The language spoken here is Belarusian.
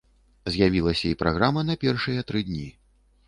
З'явілася і праграма на першыя тры дні.